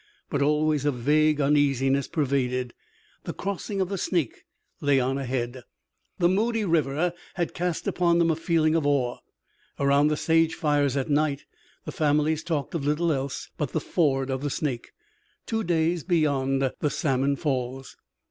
But always a vague uneasiness pervaded. The crossing of the Snake lay on ahead. The moody river had cast upon them a feeling of awe. Around the sage fires at night the families talked of little else but the ford of the Snake, two days beyond the Salmon Falls.